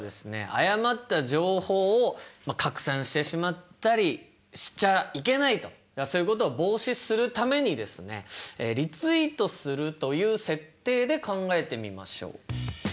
誤った情報を拡散してしまったりしちゃいけないとそういうことを防止するためにですねリツイートするという設定で考えてみましょう。